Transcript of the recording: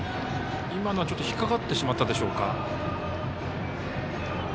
今のは、ちょっと引っ掛かってしまったでしょうか。